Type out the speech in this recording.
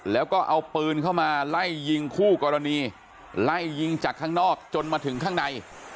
แล้วก็เอาปืนเข้ามาไล่ยิงคู่กรณีไล่ยิงจากข้างนอกจนมาถึงข้างใน